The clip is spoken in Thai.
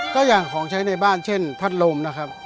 ก็อย่างของใช้ในบ้านเช่นพัดลมนะครับ